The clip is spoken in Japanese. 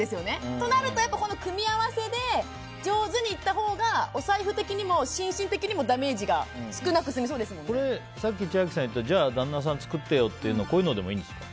となると、この組み合わせで上手にいったほうがお財布的にも精神的にもさっき千秋さんが言ったじゃあ旦那さんが作ってよっていうのはこういうのでもいいんですか。